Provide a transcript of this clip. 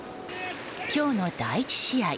今日の第１試合。